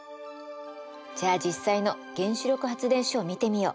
じゃあ実際の原子力発電所を見てみよう。